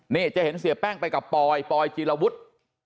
นี่จะเห็นเสียแป้งไปกับปอยปอยจีรวุฒิ